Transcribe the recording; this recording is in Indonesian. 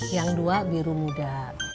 yang kedua biru muda